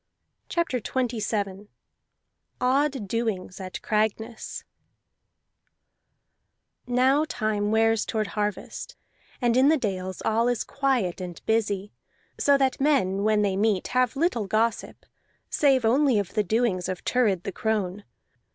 CHAPTER XXVII ODD DOINGS AT CRAGNESS Now time wears toward harvest, and in the dales all is quiet and busy, so that men when they meet have little gossip, save only of the doings of Thurid the crone.